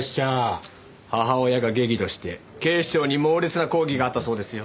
母親が激怒して警視庁に猛烈な抗議があったそうですよ。